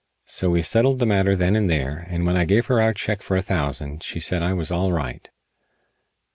So we settled the matter then and there, and when I gave her our check for a thousand she said I was all right.